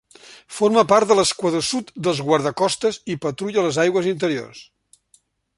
Forma part de l'esquadró sud dels guardacostes i patrulla les aigües interiors.